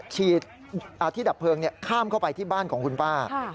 ฉีดที่ดับเพลิงข้ามเข้าไปที่บ้านของคุณป้า